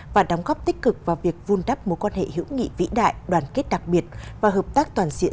và đóng góp tích cực vào việc vun đắp mối quan hệ hữu nghị vĩ đại đoàn kết đặc biệt và hợp tác toàn diện